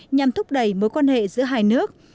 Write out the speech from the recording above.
nhằm thúc đẩy mối quan hệ giữa hai nước